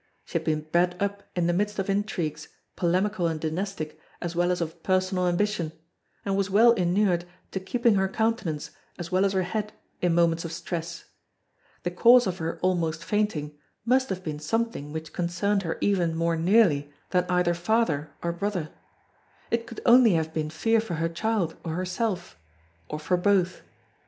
She had been bred up in the midst of intrigues, polemical and dynastic as well as of personal ambition, and was well inured to keeping her countenance as well as her head in moments of stress. The cause of her "almost fainting" must have been something which concerned her even more nearly than either father or brother. It could only have been fear for her child or herself or for both.